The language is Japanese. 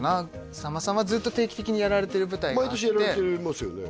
さんまさんはずっと定期的にやられてる舞台があって毎年やられてますよね